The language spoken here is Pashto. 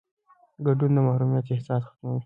ګډون د محرومیت احساس ختموي